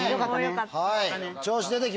よかった。